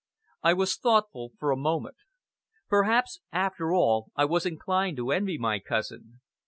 I was thoughtful for a moment. Perhaps, after all, I was inclined to envy my cousin.